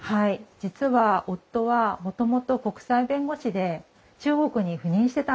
実は夫はもともと国際弁護士で中国に赴任してたんです。